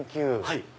はい。